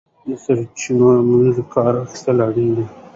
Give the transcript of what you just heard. د سرچینو مؤثره کار اخیستل اړین دي.